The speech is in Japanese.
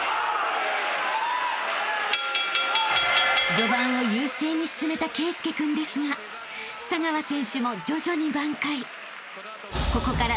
［序盤を優勢に進めた圭佑君ですが佐川選手も徐々に挽回］